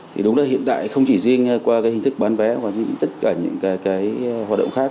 thì đúng là hiện tại không chỉ riêng qua cái hình thức bán vé mà tất cả những cái hoạt động khác